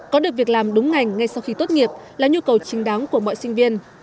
có được việc làm đúng ngành ngay sau khi tốt nghiệp là nhu cầu chính đáng của mọi sinh viên